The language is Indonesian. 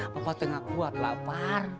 bapak teh gak kuat lapar